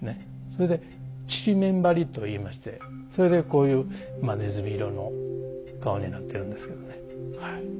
それで縮緬張りといいましてそれでこういうねずみ色の顔になってるんですけどね。